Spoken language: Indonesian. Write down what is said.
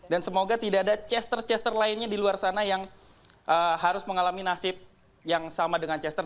dan semoga tidak ada chester chester lainnya di luar sana yang harus mengalami nasib yang sama dengan chester